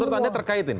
menurut anda terkait ini